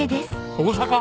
大阪？